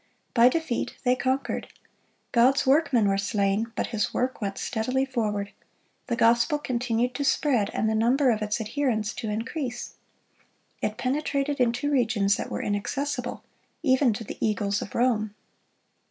By defeat they conquered. God's workmen were slain, but His work went steadily forward. The gospel continued to spread, and the number of its adherents to increase. It penetrated into regions that were inaccessible, even to the eagles of Rome.